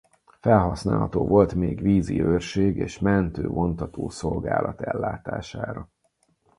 Felhasználható volt még vízi őrség és mentő-vontató szolgálat ellátására.